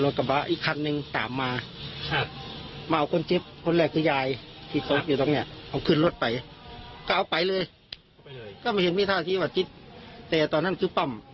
แต่ตอนนั้นก็คิดปั้ม